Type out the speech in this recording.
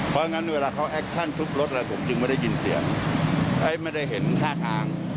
เพราะงั้นเวลาเขาแอคชั่นทุบรถอะไรผมจึงไม่ได้ยินเสียงไม่ได้เห็นท่าทาง